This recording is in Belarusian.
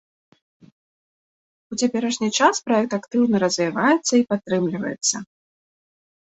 У цяперашні час праект актыўна развіваецца і падтрымліваецца.